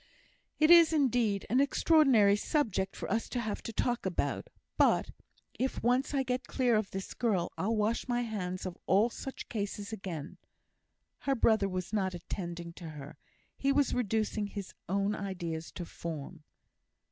"It is, indeed, an extraordinary subject for us to have to talk about; but if once I get clear of this girl, I'll wash my hands of all such cases again." Her brother was not attending to her; he was reducing his own ideas to form.